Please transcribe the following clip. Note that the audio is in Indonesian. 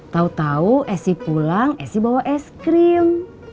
tau tau esi pulang esi bawa es krim